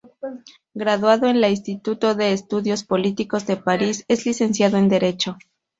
Graduado en el Instituto de Estadios Políticos de París, es licenciado en Derecho.